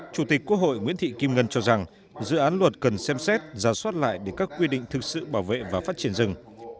chủ tịch quốc hội nguyễn thị kim ngân cho rằng dự án luật cần xem xét ra soát lại để các quy định thực sự bảo vệ và phát triển rừng